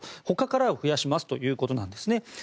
他から増やしますということなんですね。